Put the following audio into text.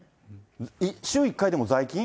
週１回でも在勤？